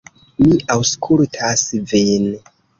Mi aŭskultas vin.